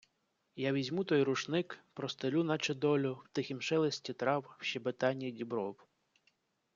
Я візьму той рушник, простелю, наче долю, в тихім шелесті трав, в щебетанні дібров